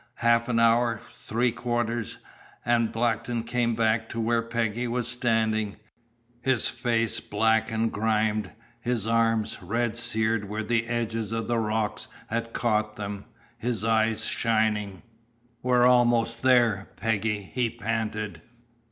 Half an hour three quarters and Blackton came back to where Peggy was standing, his face black and grimed, his arms red seared where the edges of the rocks had caught them, his eyes shining. "We're almost there, Peggy," he panted.